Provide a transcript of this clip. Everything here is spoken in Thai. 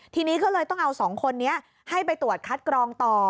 ทีนี้ก็เลยต้องเอา๒คนนี้ให้ไปตรวจคัดกรองต่อ